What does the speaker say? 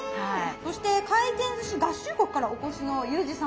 そして回転ずし合衆国からお越しのユージ様。